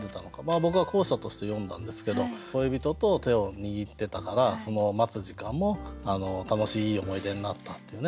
僕は後者として読んだんですけど恋人と手を握ってたからその待つ時間も楽しいいい思い出になったっていうね。